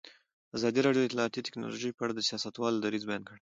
ازادي راډیو د اطلاعاتی تکنالوژي په اړه د سیاستوالو دریځ بیان کړی.